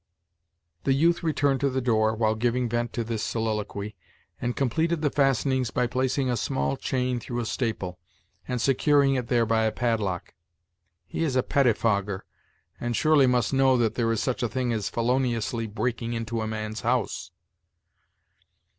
The youth returned to the door, while giving vent to this soliloquy, and completed the fastenings by placing a small chain through a staple, and securing it there by a padlock. "He is a pettifogger, and surely must know that there is such a thing as feloniously breaking into a man's house."